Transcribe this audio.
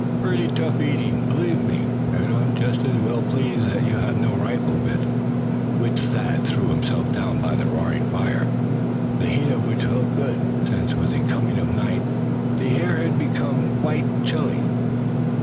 "Pretty tough eating, believe me; and I'm just as well pleased that you have no rifle," with which Thad threw himself down by the roaring fire, the heat of which felt good, since with the coming of night the air had become quite chilly.